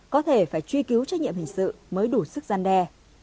có thể phải truy cứu trách nhiệm hình sự mới đủ sức gian đe